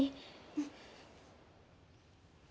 うん。